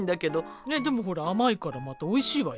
えっでもほら甘いからまたおいしいわよ？